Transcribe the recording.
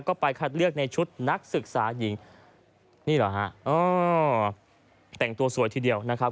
ก็ไปคัดเลือกในชุดนักศึกษาหญิงนี่เหรอฮะอ๋อแต่งตัวสวยทีเดียวนะครับ